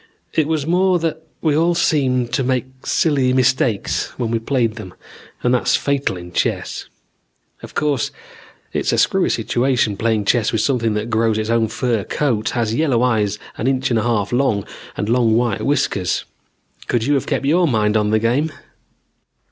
It was more that we all seemed to make silly mistakes when we played them and that's fatal in chess. Of course it's a screwy situation, playing chess with something that grows its own fur coat, has yellow eyes an inch and a half long and long white whiskers. Could you have kept your mind on the game?